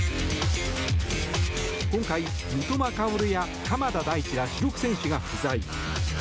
今回、三笘薫や鎌田大地ら主力選手が不在。